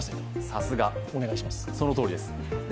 さすが、そのとおりです。